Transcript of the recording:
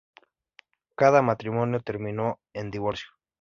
Cada matrimonio terminó en divorcio.